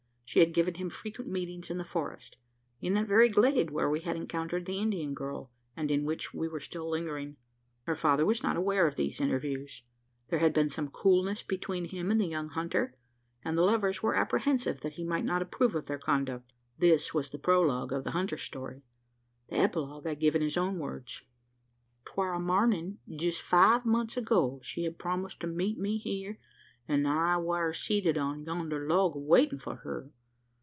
She had given him frequent meetings in the forest in that very glade where we had encountered the Indian girl, and in which we were still lingering. Her father was not aware of these interviews. There had been some coolness between him and the young hunter; and the lovers were apprehensive that he might not approve of their conduct. This was the prologue of the hunter's story. The epilogue I give in his own words: "'Twar a mornin' jest five months ago she had promised to meet me here an' I war seated on yonder log waitin' for her.